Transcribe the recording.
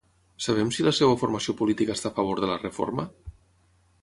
Sabem si la seva formació política està a favor de la reforma?